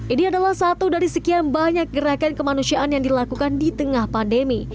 ini adalah satu dari sekian banyak gerakan kemanusiaan yang dilakukan di tengah pandemi